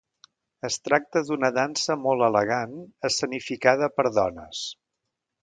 Es tracta d'una dansa molt elegant escenificada per dones.